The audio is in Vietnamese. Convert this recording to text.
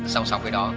sau sau cái đó